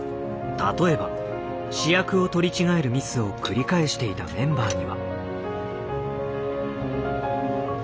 例えば試薬を取り違えるミスを繰り返していたメンバーには。